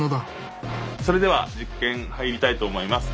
それでは実験入りたいと思います。